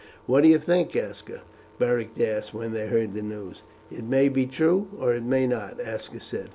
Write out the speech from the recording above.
"What do you think, Aska?" Beric asked when they heard the news. "It may be true or it may not," Aska said.